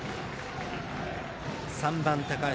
３番、高橋。